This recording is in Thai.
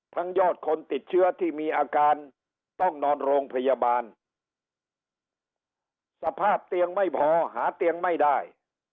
ยอดคนติดเชื้อที่มีอาการต้องนอนโรงพยาบาลสภาพเตียงไม่พอหาเตียงไม่ได้